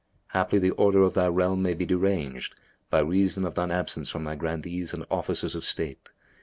Haply, the order of thy realm may be deranged, by reason of shine absence from thy Grandees and Officers of State.